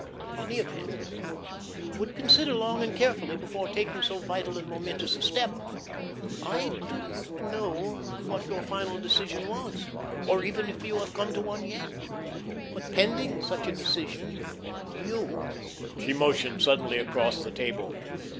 In any event, you would consider long and carefully before taking so vital and momentous a step. I do not know what your final decision was, or even if you have come to one yet; but, pending such a decision, you—" She motioned suddenly across the table.